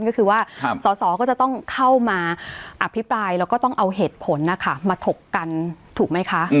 ก็คือว่าสอสอก็จะต้องเข้ามาอภิปรายแล้วก็ต้องเอาเหตุผลนะคะมาถกกันถูกไหมคะ